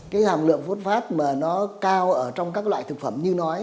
cái hàm lượng phốt phát mà nó cao ở trong các loại thực phẩm như nói